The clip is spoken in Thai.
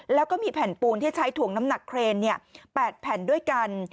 แล้วก็มีแผ่นปูนที่ใช้ถ่วงน้ำหนักเครน๘แผ่นด้วยกัน